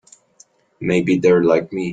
Maybe they're like me.